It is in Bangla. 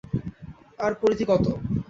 আর পরিধি কত?